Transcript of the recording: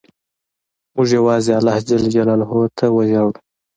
موږ یوازې الله ته وژاړو.